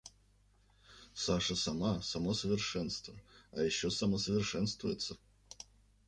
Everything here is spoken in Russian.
Саша сама — само совершенство, а ещё самосовершенствуется!